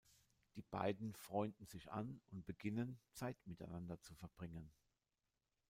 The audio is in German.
Die beiden freunden sich an und beginnen, Zeit miteinander zu verbringen.